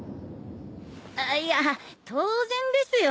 あいや当然ですよね。